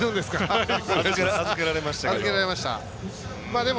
預けられましたけども。